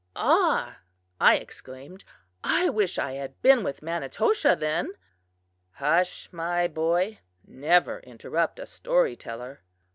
"Ah!" I exclaimed, "I wish I had been with Manitoshaw then!" "Hush, my boy; never interrupt a storyteller."